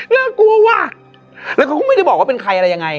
น่ากลัวว่ะแล้วเขาก็ไม่ได้บอกว่าเป็นใครอะไรยังไง